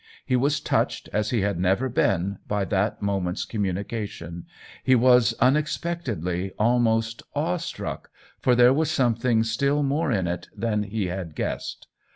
He was touched as he had never been by that moment's communication , he was, unexpectedly, al most awe struck, for there was something still more in it than he had guessed.